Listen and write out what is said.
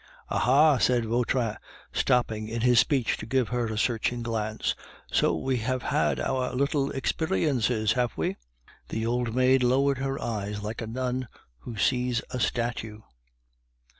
"Aha!" said Vautrin, stopping in his speech to give her a searching glance, "so we have had our little experiences, have we?" The old maid lowered her eyes like a nun who sees a statue.